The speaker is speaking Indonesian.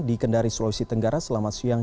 di kendari sulawesi tenggara selamat siang